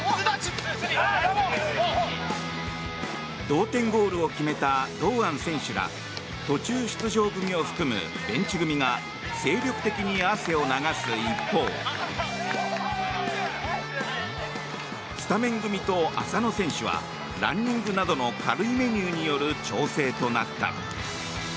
同点ゴールを決めた堂安選手らや途中出場を含む選手組が精力的に汗を流す一方スタメン組と浅野選手はランニングなどの軽いメニューによる調整となった。